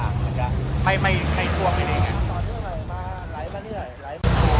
มันจะให้ไม่ในทวงยังไงมาไหลมานี่หน่อยไหลมา